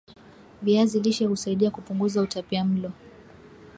viazi lishe husaidia kupunguza utapiamlo